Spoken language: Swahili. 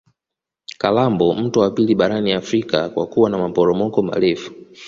kalambo mto wa pili barani afrika kwa kuwa na maporomoko marefu